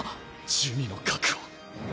珠魅の核を。